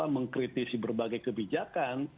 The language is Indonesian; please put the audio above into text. mengkritisi berbagai kebijakan